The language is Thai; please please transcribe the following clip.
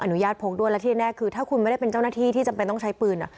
อุญาตพกด้วยและที่แน่คือถ้าคุณไม่ได้เป็นเจ้าหน้าที่ที่จำเป็นต้องใช้ปืน